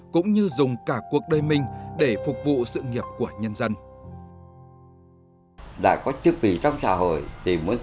cũng như dùng cả cuộc đời mình để phục vụ sự nghiệp của nhân dân